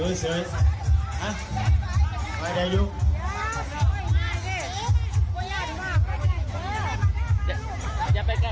นี่ตัวเดียวมั้ยครับ